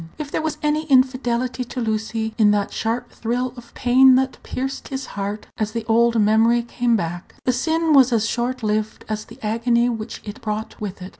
If there was any infidelity to Lucy in that sharp thrill of pain that pierced his heart as the old memory came back, the sin was as short lived as the agony which it brought with it.